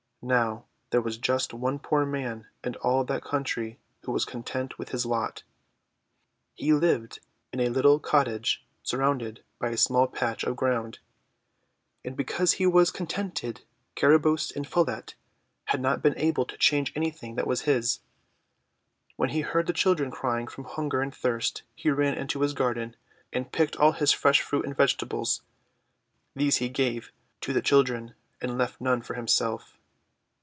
Now, there was just one poor man in all that country who was content with his lot. He lived in a little cottage surrounded by a small patch of ground. And because he was contented Cara bosse and Follette had not been able to change anything that was his. When he heard the children crying from hun ger and thirst he ran into his garden and picked all his fresh fruit and vegetables. These he gave to the children, and left none for himself.